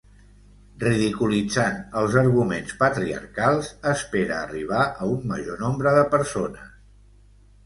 Ridiculitzant els arguments patriarcals espera arribar a un major nombre de persones.